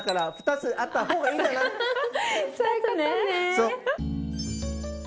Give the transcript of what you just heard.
そう。